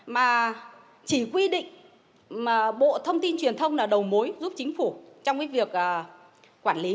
mà chỉ quy định mà bộ thông tin truyền thông là đầu mối giúp chính phủ trong việc quản lý